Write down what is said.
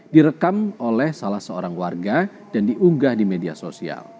direkam oleh salah seorang warga dan diunggah di media sosial